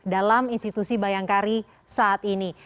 dalam institusi bayangkari saat ini